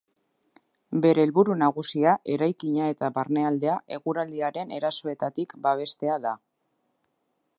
Bere helburu nagusia eraikina eta barnealdea eguraldiaren erasoetatik babestea da.